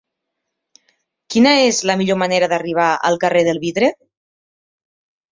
Quina és la millor manera d'arribar al carrer del Vidre?